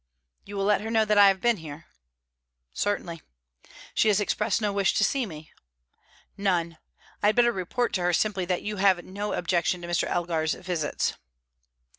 "You will let her know that I have been here?" "Certainly." "She has expressed no wish to see me?" "None. I had better report to her simply that you have no objection to Mr. Elgar's visits."